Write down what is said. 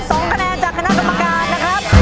สองคะแนนจากคณะกรรมการนะครับ